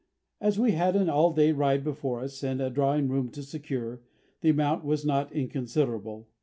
As we had an all day ride before us and a drawing room to secure, the amount was not inconsiderable.